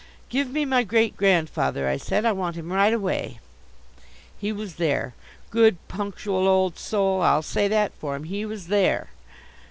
"Give me my great grandfather," I said. "I want him right away." He was there. Good, punctual old soul, I'll say that for him. He was there.